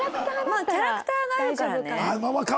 まあキャラクターがあるからね。